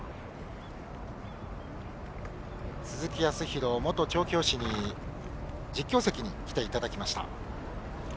鈴木康弘元調教師に実況席に来ていただきました。